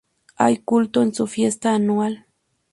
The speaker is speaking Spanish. Hay culto en su fiesta anual.